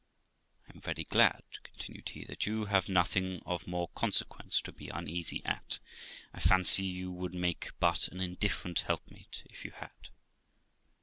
I am very glad', continued he, 'that you have nothing of more consequence to be uneasy at, I fancy you would make but an indifferent helpmate if you had.'